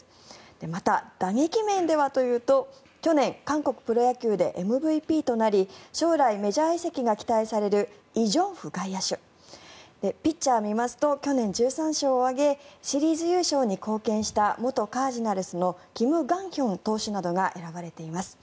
また、打撃面ではというと去年、韓国プロ野球でＭＶＰとなり将来、メジャー移籍が期待されるイ・ジョンフ外野手ピッチャーを見ますと去年、１３勝を挙げシリーズ優勝に貢献した元カージナルスのキム・グァンヒョン投手などが選ばれています。